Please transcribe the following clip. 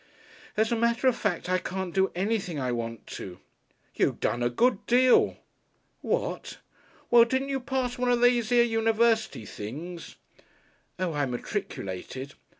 "As a matter of fact I can't do anything I want to." "You done a good deal." "What?" "Well, didn't you pass one of these here University things?" "Oh! I matriculated!"